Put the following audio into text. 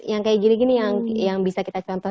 ya kita gak bisa ke nih